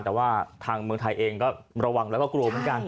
แต่ว่าทางเมืองไทยเองก็ระวังแล้วก็กลัวเหมือนกัน